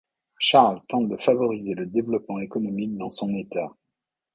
Charles tente de favoriser le développement économique dans son État.